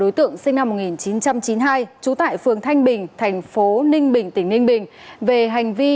đối tượng sinh năm một nghìn chín trăm chín mươi hai trú tại phường thanh bình thành phố ninh bình tỉnh ninh bình về hành vi